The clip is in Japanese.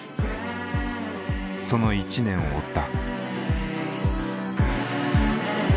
その１年を追った。